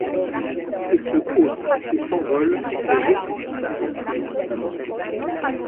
Et se hausse, et s’envole, et ressuscite, et vit !